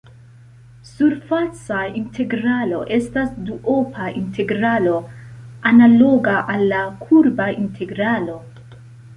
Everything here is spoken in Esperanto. Surfaca integralo estas duopa integralo analoga al la kurba integralo.